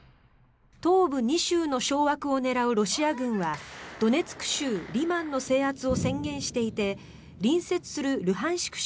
東部２州の掌握を狙うロシア軍はドネツク州リマンの制圧を宣言していて隣接するルハンシク